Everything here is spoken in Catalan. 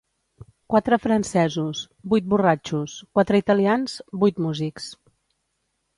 Quatre francesos, vuit borratxos; quatre italians, vuit músics.